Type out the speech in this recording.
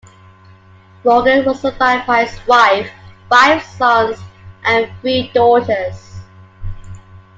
Morgan was survived by his wife, five sons and three daughters.